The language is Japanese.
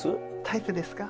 タイプですか？